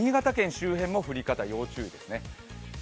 新潟県周辺も降り方要注意ですね。